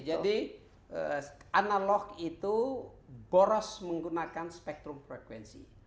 jadi analog itu boros menggunakan spektrum frekuensi